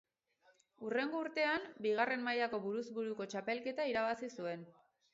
Hurrengo urtean, bigarren mailako buruz buruko txapelketa irabazi zuen.